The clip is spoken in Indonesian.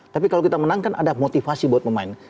tapi kalau kita menang kan ada motivasi buat pemain